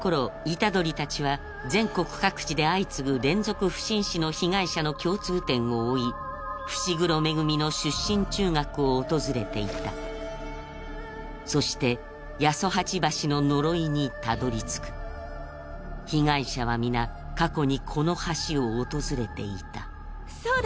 虎杖たちは全国各地で相次ぐ連続不審死の被害者の共通点を追い伏黒恵の出身中学を訪れていたそして八十八橋の呪いにたどりつく被害者は皆過去にこの橋を訪れていたそうだ